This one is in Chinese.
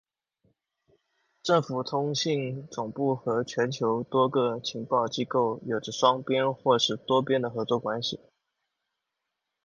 政府通信总部和全球多个情报机构有着双边或是多边的合作关系。